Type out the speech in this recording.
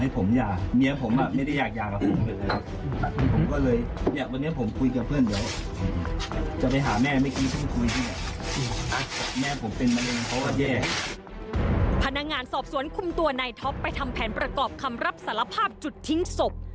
พนักงานสอบสวนคุมตัวนายท็อปไปทำแผนประกอบคำรับสารภาพจุดทิ้งศพ